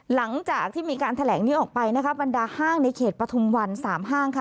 หลังจากที่มีการแถลงนี้ออกไปนะคะบรรดาห้างในเขตปฐุมวันสามห้างค่ะ